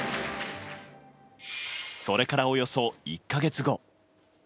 それからおよそ１か月後。